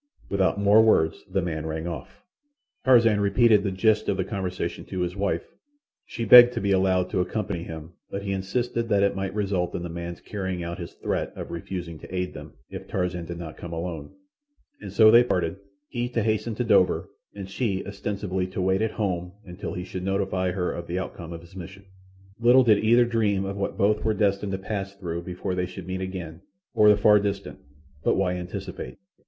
Without more words the man rang off. Tarzan repeated the gist of the conversation to his wife. She begged to be allowed to accompany him, but he insisted that it might result in the man's carrying out his threat of refusing to aid them if Tarzan did not come alone, and so they parted, he to hasten to Dover, and she, ostensibly to wait at home until he should notify her of the outcome of his mission. Little did either dream of what both were destined to pass through before they should meet again, or the far distant—but why anticipate?